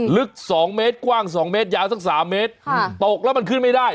ลึก๒เมตรกว้าง๒เมตรยาวสัก๓เมตรตกแล้วมันขึ้นไม่ได้